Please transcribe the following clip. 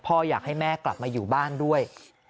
พ่ออยากให้แม่กลับมาอยู่บ้านด้วย